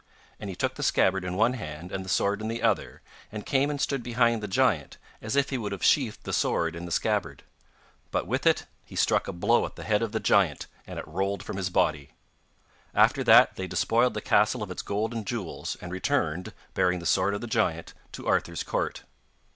And he took the scabbard in one hand and the sword in the other, and came and stood behind the giant, as if he would have sheathed the sword in the scabbard. But with it he struck a blow at the head of the giant, and it rolled from his body. After that they despoiled the castle of its gold and jewels, and returned, bearing the sword of the giant, to Arthur's court.